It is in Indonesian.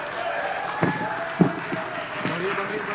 yang selain ini telah melihat